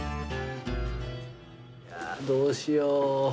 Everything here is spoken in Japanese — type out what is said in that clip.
いやーどうしよう。